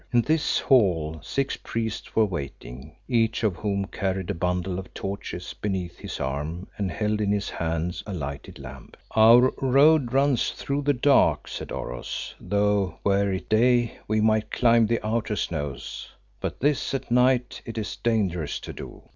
In this hall six priests were waiting, each of whom carried a bundle of torches beneath his arm and held in his hand a lighted lamp. "Our road runs through the dark," said Oros, "though were it day we might climb the outer snows, but this at night it is dangerous to do."